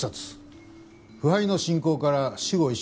腐敗の進行から死後１週間程度。